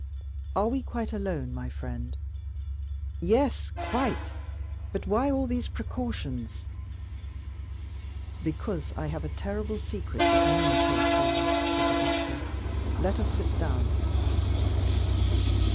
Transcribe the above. "Are we quite alone, my friend?" "Yes, quite; but why all these precautions?" "Because I have a terrible secret to communicate to you," said the doctor. "Let us sit down."